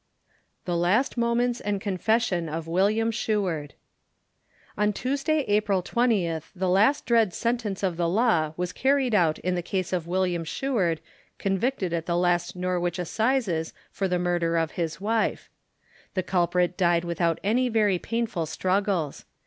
The Last Moments and Confession OF WM. SHEWARD. On Tuesday, April 20, the last dread sentence of the law was carried out in the case of Wm. Sheward convicted at the last Norwich Assizes for the murder of his wife. The culprit died without any very painful struggles.